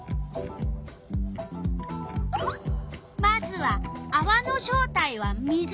まずは「あわの正体は水」。